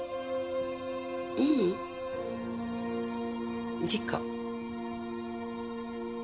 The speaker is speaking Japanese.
ううん。事故。